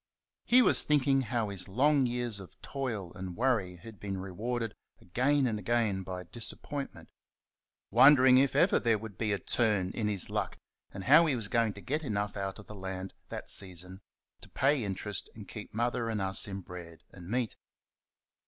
He was thinking how his long years of toil and worry had been rewarded again and again by disappointment wondering if ever there would be a turn in his luck, and how he was going to get enough out of the land that season to pay interest and keep Mother and us in bread and meat.